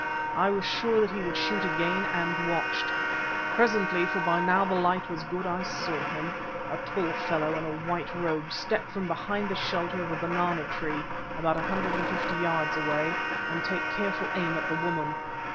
I was sure that he would shoot again, and watched. Presently, for by now the light was good, I saw him, a tall fellow in a white robe, step from behind the shelter of a banana tree about a hundred and fifty yards away, and take a careful aim at the woman.